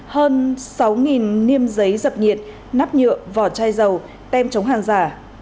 hơn sáu niêm giấy dập điện nắp nhựa vỏ chai dầu tem chống hàng giả